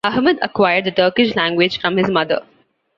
Ahmad acquired the Turkish language from his mother.